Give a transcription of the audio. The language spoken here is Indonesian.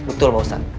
betul pak ustadz